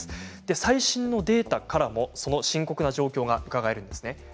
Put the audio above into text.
最新のデータからもその深刻な状況がうかがえます。